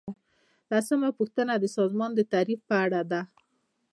لسمه پوښتنه د سازمان د تعریف په اړه ده.